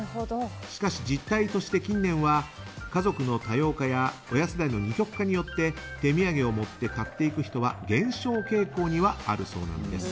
しかし実態としては近年は家族の多様化や親世代の二極化によって手土産を買って持っていく人は減少傾向にあるそうなんです。